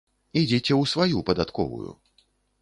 Ідзіце ў сваю падатковую.